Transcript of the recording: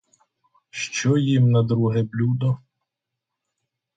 Що їм на друге блюдо?